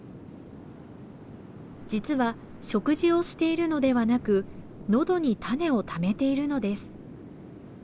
実は食事をしているのではなくのどに種をためているのです。